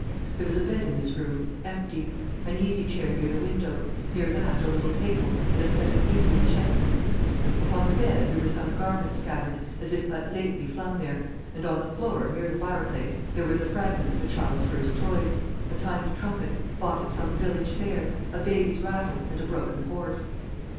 There was a bed in this room, empty; an easy chair near the window; near that a little table, and a set of Indian chessmen. Upon the bed there were some garments scattered, as if but lately flung there; and on the floor, near the fireplace, there were the fragments of a child's first toys a tiny trumpet, bought at some village fair, a baby's rattle, and a broken horse.